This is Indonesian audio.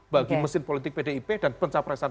bagi mesin politik pdip dan pencapresan